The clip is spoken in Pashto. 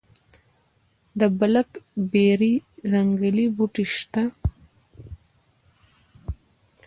د بلک بیري ځنګلي بوټي شته؟